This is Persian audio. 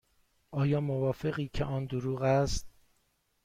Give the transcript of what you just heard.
آیا موافقی که آن دروغ است؟